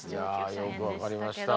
いやよく分かりました。